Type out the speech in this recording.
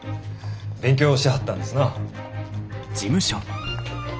勉強しはったんですな。